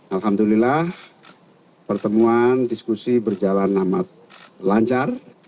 alhamdulillah pertemuan diskusi berjalan amat lancar